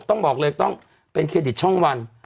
ต้องบอกเลยต้องเป็นเครดิตช่องวัน